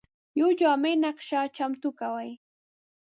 یوه جامع نقشه چمتو کوي.